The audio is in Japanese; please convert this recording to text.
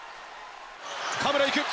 河村が行く。